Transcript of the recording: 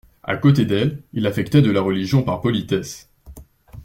A côté d'elle, il affectait de la religion par politesse.